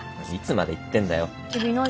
いつまで言ってんだよ。